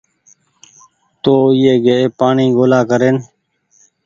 تو ايئي گئي پآڻيٚ ڳولآ ڪرين